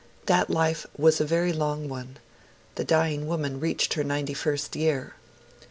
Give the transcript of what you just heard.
That life was a very long one; the dying woman reached her ninety first year.